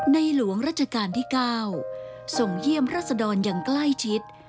หลวงราชการที่๙ส่งเยี่ยมรัศดรอย่างใกล้ชิด